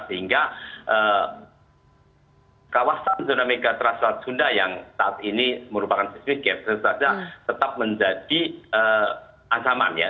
sehingga kawasan zona megatras latunda yang saat ini merupakan seismik yang tetap menjadi ansaman ya